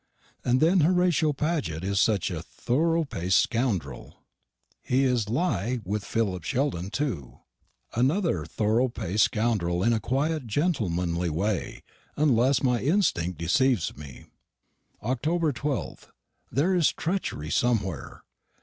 And then Horatio Paget is such a thorough paced scoundrel. He is lié with Philip Sheldon too another thorough paced scoundrel in a quiet gentlemanly way, unless my instinct deceives me. October 12th. There is treachery somewhere.